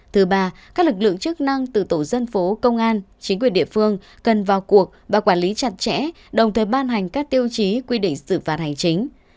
thứ ba các lực lượng chức năng từ tổ dân phố công an chính quyền địa phương cần vào cuộc và quản lý chặt chẽ đồng thời ban hành các tiêu chí quy định xử phạt hành chính